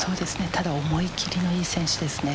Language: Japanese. ただ思い切りのいい選手ですね。